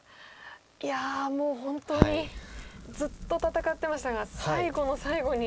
いやもう本当にずっと戦ってましたが最後の最後に。